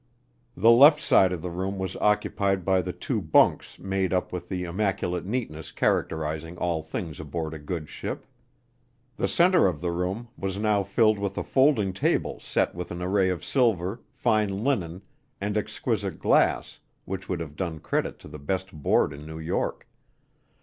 The left side of the room was occupied by the two bunks made up with the immaculate neatness characterizing all things aboard a good ship. The center of the room, was now filled with a folding table set with an array of silver, fine linen, and exquisite glass which would have done credit to the best board in New York.